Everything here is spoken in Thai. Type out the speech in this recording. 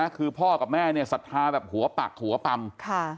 คือพ่อกับแม่เนี่ยศรัทธาแบบหัวปักหัวปำ